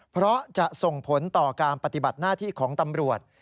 เพราะจะส่งผลต่อการปฏิบัติหน้าที่ของตำรวจ